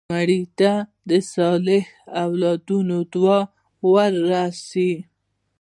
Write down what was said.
مړه ته د صالح اولادونو دعا ورسوې